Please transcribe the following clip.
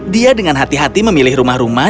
dia dengan hati hati memilih rumah rumah